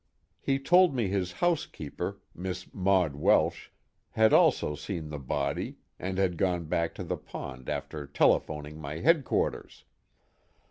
He told me his housekeeper, Miss Maud Welsh, had also seen the body and had gone back to the pond after telephoning my headquarters.